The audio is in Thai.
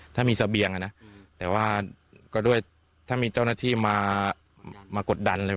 ถ้ามีเสบียงอ่ะนะแต่ว่าก็ด้วยถ้ามีเจ้าหน้าที่มากดดันเลย